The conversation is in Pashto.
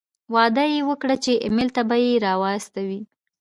وعده یې وکړه چې ایمېل ته به یې را واستوي.